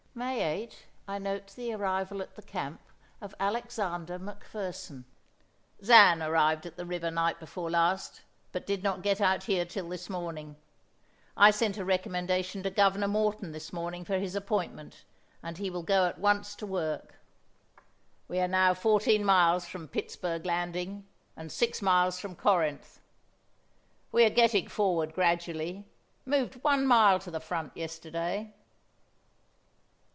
May 8 I note the arrival at the camp of Alexander McFerson: "Zan arrived at the river night before last, but did not get out here till this morning. I sent a recommendation to Governor Morton this morning for his appointment, and he will go at once to work. "We are now fourteen miles from Pittsburg Landing, and six miles from Corinth. We are getting forward gradually; moved one mile to the front yesterday."